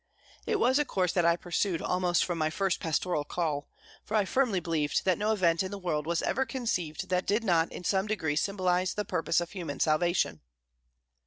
It was a course that I pursued almost from my first pastoral call, for I firmly believed that no event in the world was ever conceived that did not in some degree symbolise the purpose of human salvation.